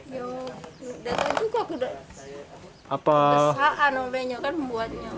ya datang juga kebesaran